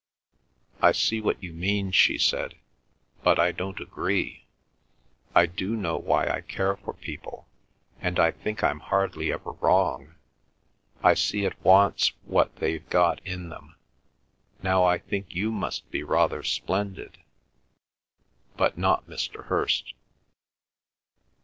"I see what you mean," she said, "but I don't agree. I do know why I care for people, and I think I'm hardly ever wrong. I see at once what they've got in them. Now I think you must be rather splendid; but not Mr. Hirst."